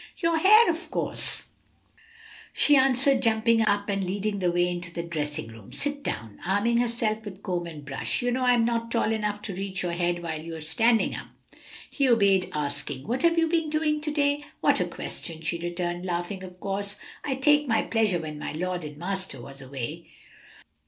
"Your hair, of course," she answered, jumping up and leading the way into the dressing room. "Sit down," arming herself with comb and brush, "you know I'm not tall enough to reach your head while you're standing up." He obeyed, asking, "What have you been doing to day?" "What a question!" she returned, laughing; "of course, I'd take my pleasure when my lord and master was away."